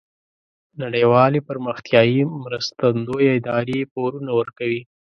نړیوالې پراختیایې مرستندویه ادارې پورونه ورکوي.